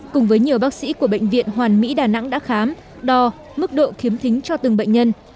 cùng với nhiều bác sĩ của bệnh viện hoàn mỹ đà nẵng đã khám đo mức độ khiếm thính cho từng bệnh nhân